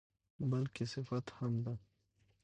بلکې صفت هم ده.